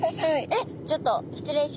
えっちょっと失礼します。